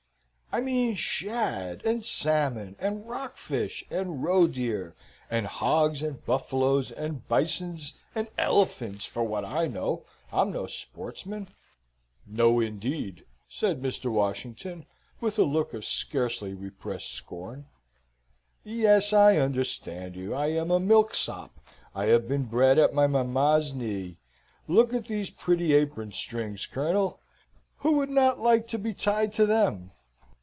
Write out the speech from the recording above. I mean shad, and salmon, and rock fish, and roe deer, and hogs, and buffaloes, and bisons, and elephants, for what I know. I'm no sportsman." "No, indeed," said Mr. Washington, with a look of scarcely repressed scorn. "Yes, I understand you. I am a milksop. I have been bred at my mamma's knee. Look at these pretty apron strings, Colonel! Who would not like to be tied to them?